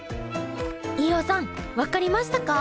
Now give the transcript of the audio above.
飯尾さん分かりましたか？